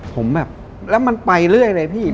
ผมแบบแล้วมันไปเรื่อยเลยพี่